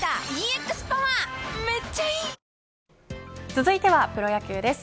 続いてはプロ野球です。